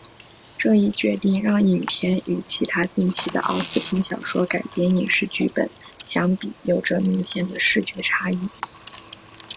这一决定让影片与其他近期的奥斯汀小说改编影视剧本相比有着明显的视觉差异。